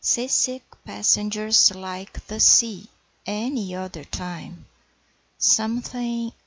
Seasick passengers like the sea Any other time. 'Something